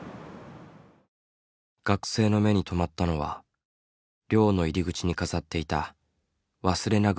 学生の目に留まったのは寮の入り口に飾っていたわすれな草の切り絵だ。